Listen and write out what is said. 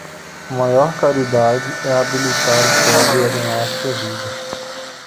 A maior caridade é habilitar o pobre a ganhar a sua vida.